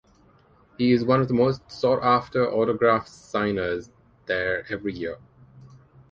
He is one of the most sought after autograph signers there every year.